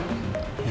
iya betul ya